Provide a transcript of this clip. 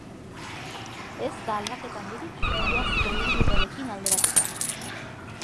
Ez da aldaketa handirik, iazko ibilbidearekin alderatuta.